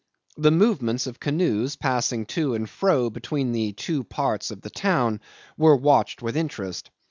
The movements of canoes passing to and fro between the two parts of the town were watched with interest.